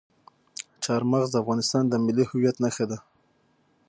چار مغز د افغانستان د ملي هویت یوه نښه ده.